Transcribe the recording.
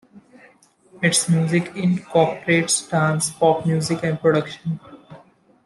Its music incorporates dance-pop music and production.